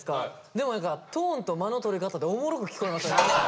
でも何かトーンと間のとり方でおもろく聞こえますよね。